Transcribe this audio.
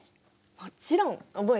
もちろん覚えてる。